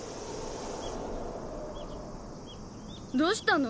どしたの？